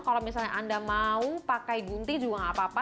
kalau misalnya anda mau pakai gunting juga nggak apa apa